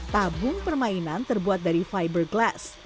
tabung permainan terbuat dari fiberglass